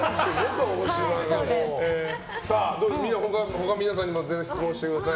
他皆さんに全然質問してください。